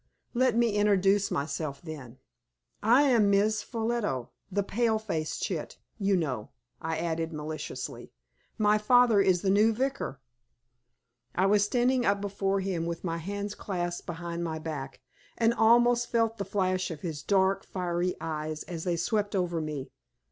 "Let me introduce myself, then. I am Miss Ffolliot the pale faced chit, you know!" I added, maliciously. "My father is the new vicar." I was standing up before him with my hands clasped behind my back, and almost felt the flash of his dark, fiery eyes as they swept over me.